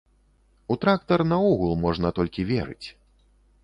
У трактар наогул можна толькі верыць.